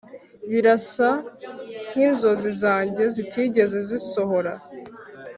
Birasa nkinzozi zanjye zitigeze zisohora